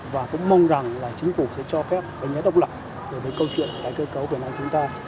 và cũng mong rằng là chính phủ sẽ cho phép cái nhớ độc lập về cái câu chuyện tài cơ cầu của nơi chúng ta